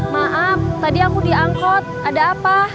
maaf tadi aku diangkut ada apa